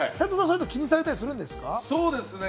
斉藤さん、そういうの気にされたりするんですか？